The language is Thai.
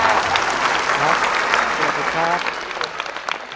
สวัสดีครับ